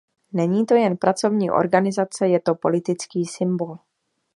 Není to jen pracovní organizace, je to politický symbol.